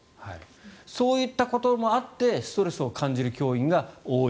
そういったこともあってストレスを感じる教員が多い。